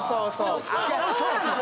そうなんです。